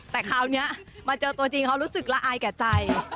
แต่คราวนี้มาเจอตัวจริงเขารู้สึกละอายแก่ใจ